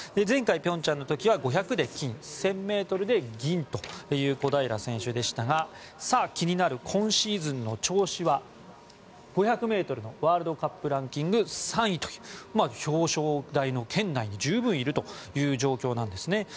前回、平昌の時は５００ｍで金１０００ｍで銀という小平選手でしたが気になる今シーズンの調子は５００ｍのワールドカップランキング３位という表彰台の圏内に十分いる状況です。